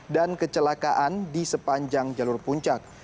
dan kecelakaan di sepanjang jalur puncak